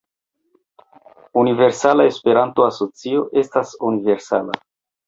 Universala Esperanto-Asocio estas universala.